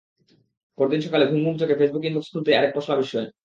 পরদিন সকালে ঘুম ঘুম চোখে ফেসবুক ইনবক্স খুলতেই আরেক পশলা বিস্ময়।